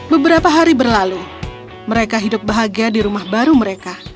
beberapa hari berlalu mereka hidup bahagia di rumah baru mereka